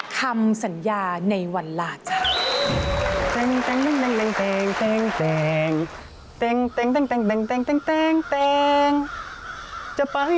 คำสัญญาในวันลาจ้ะ